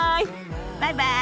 バイバイ！